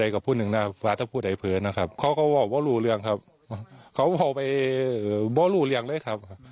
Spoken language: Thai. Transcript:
เขาวาดได้อย่างจริงนะครับ